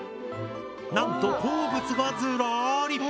なんと鉱物がずらり。